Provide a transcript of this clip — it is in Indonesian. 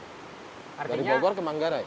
dari bogor ke manggarai